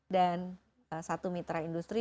dan satu mitra industri